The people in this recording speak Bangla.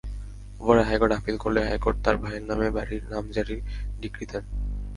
পরে হাইকোর্ট আপিল করলে হাইকোর্ট তাঁর ভাইয়ের নামে বাড়ির নামজারির ডিক্রি দেন।